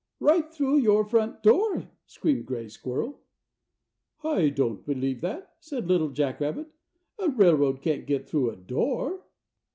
"Right through your front door!" screamed Gray Squirrel. "I don't believe that," said Little Jack Rabbit. "A railroad can't get through a door!"